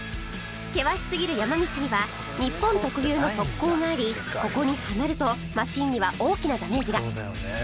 険しすぎる山道には日本特有の側溝がありここにはまるとマシンには大きなダメージが